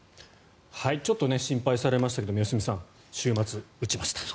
ちょっと心配されましたが良純さん、週末打ちました。